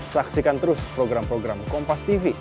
saksikan terus program program kompastv